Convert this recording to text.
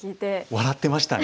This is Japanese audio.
笑ってましたね。